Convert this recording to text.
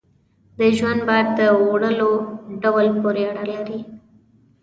د ژوند بار د وړلو په ډول پورې اړه لري.